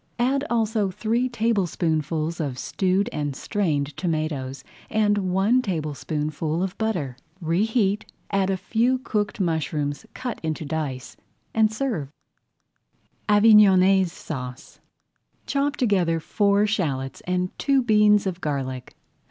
Add also three tablespoonfuls of stewed and strained tomatoes, and one tablespoonful of butter. Reheat, add a few cooked mushrooms cut into dice, and serve. [Page 16] AVIGNONNAISE SAUCE Chop together four shallots and two beans of garlic.